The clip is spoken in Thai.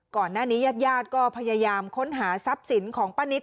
ก่อนหน้านี้ยาดยาดก็พยายามค้นหาทรัพย์สินของป้านิต